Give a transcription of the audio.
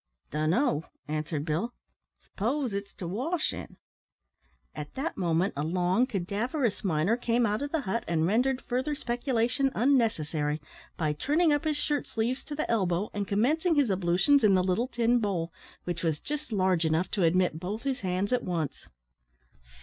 "Dunno," answered Bill; "s'pose it's to wash in." At that moment a long, cadaverous miner came out of the hut, and rendered further speculation unnecessary, by turning up his shirt sleeves to the elbow, and commencing his ablutions in the little tin bowl, which was just large enough to admit both his hands at once.